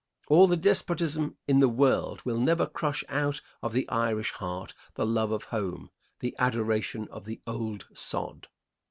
All the despotism in the world will never crush out of the Irish heart the love of home the adoration of the old sod.